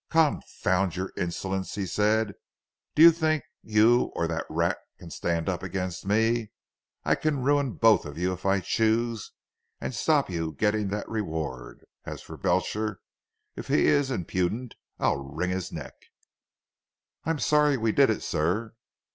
"Confound your insolence," he said, "do you think you or that rat can stand up against me. I can ruin you both if I choose, and stop your getting that reward. As for Belcher, if he is impudent I'll wring his neck." "I am sorry we did it sir."